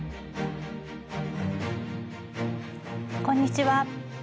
こんにちは。